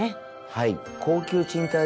はい。